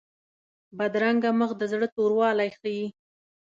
بدرنګه مخ د زړه توروالی ښيي